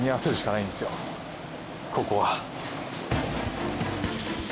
ここは。